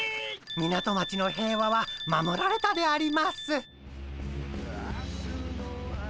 港町の平和は守られたであります。